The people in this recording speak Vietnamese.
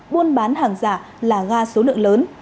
buôn bán hàng giả là ga số lượng lớn